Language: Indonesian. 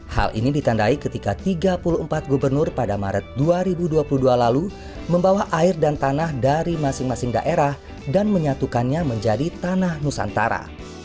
hal ini ditandai ketika tiga puluh empat gubernur pada maret dua ribu dua puluh dua lalu membawa air dan tanah dari masing masing daerah dan menyatukannya menjadi tanah nusantara